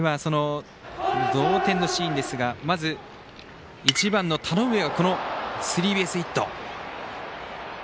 同点のシーンですがまず、１番の田上がスリーベースヒット。